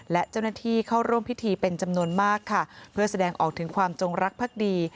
และเจ้าหน้าที่เข้าร่วมพิธีเป็นจำนวนมากค่ะเพื่อแสดงออกถึงความจงรักภักดี